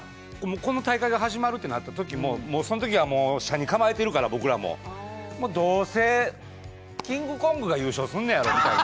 この大会が始まるってなったときも、斜に構えてるから、僕らも、どうせキングコングが優勝するんやろうみたいな。